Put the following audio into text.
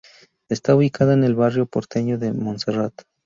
Está ubicada en el barrio porteño de Montserrat.